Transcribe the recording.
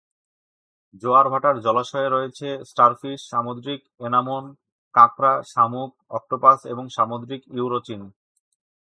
জোয়ারভাটার জলাশয়ে রয়েছে স্টারফিশ, সামুদ্রিক এনামোন, কাঁকড়া, শামুক, অক্টোপাস এবং সামুদ্রিক ইউরচিন।